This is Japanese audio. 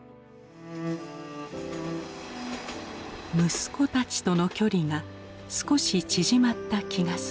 息子たちとの距離が少し縮まった気がする。